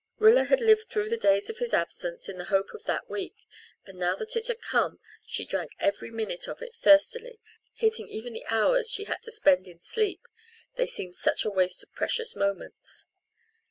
Rilla had lived through the days of his absence on the hope of that week, and now that it had come she drank every minute of it thirstily, hating even the hours she had to spend in sleep, they seemed such a waste of precious moments.